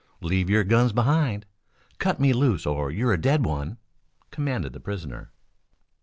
Leave your guns behind. Cut me loose or you're a dead one," commanded the prisoner.